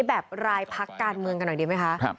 แบบรายภักดิ์การเมืองไหมนะคะ